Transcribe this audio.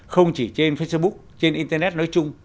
không chỉ trên facebook trên internet nói chung